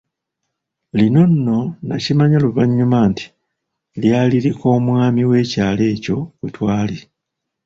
Lino nno nakimanya luvannyuma nti, lyali lik’omwami w’ekyalo ekyo kwe twali.